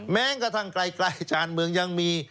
แม้กระทั่งไกลชาญเมืองยังมี